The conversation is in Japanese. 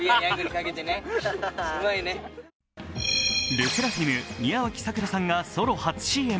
ＬＥＳＳＥＲＡＦＩＭ、宮脇咲良さんがソロ初ＣＭ。